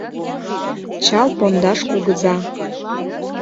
Чал-Пондаш кугыза